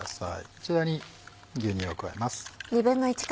こちらに牛乳を加えます。